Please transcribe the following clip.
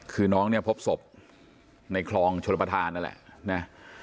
คือน้องเนี่ยพบศพในคลองชลประธานนั่นแหละนะ